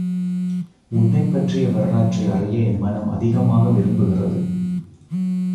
உன்னைப் பற்றிய வரலாற்றை அறிய என் மனம் அதிகமாக விரும்புகிறது.